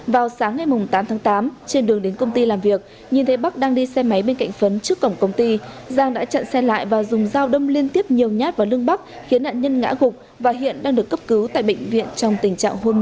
vào sáng ngày tám tháng tám trên đường đến công ty làm việc nhìn thấy bắc đang đi xe máy bên cạnh phấn trước cổng công ty giang đã chặn xe lại và dùng dao đâm liên tiếp nhiều nhát vào lưng bắc khiến nạn nhân ngã gục và hiện đang được cấp cứu tại bệnh viện trong tình trạng hôn mê